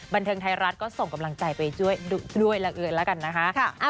บันเทิงไทยรัฐก็ส่งกำลังใจไปด้วยละเอิญแล้วกันนะคะ